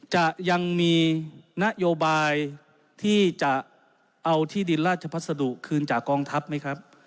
จะยังมีนโยบายที่จะเอาที่ดินราชพัสดุคืนจากกองทัพไหมครับ